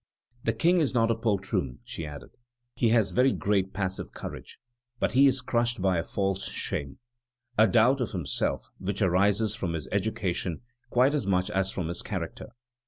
"The King is not a poltroon," she added; "he has very great passive courage, but he is crushed by a false shame, a doubt of himself, which arises from his education quite as much as from his character.